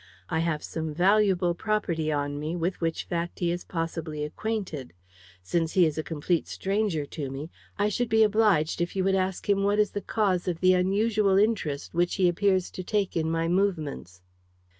I have some valuable property on me, with which fact he is possibly acquainted. Since he is a complete stranger to me, I should be obliged if you would ask him what is the cause of the unusual interest which he appears to take in my movements."